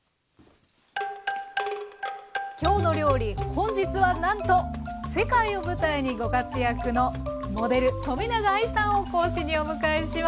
本日はなんと世界を舞台にご活躍のモデル冨永愛さんを講師にお迎えします。